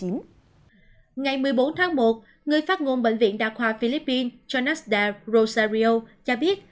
ngày một mươi bốn tháng một người phát ngôn bệnh viện đa khoa philippines jonas de rosario cho biết